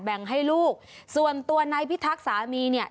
แบ่งให้ลูกส่วนตัวนายพิทักษ์สามีเนี่ย